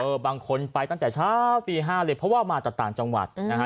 บางคนไปตั้งแต่เช้าตีห้าเลยเพราะว่ามาจากต่างจังหวัดนะฮะ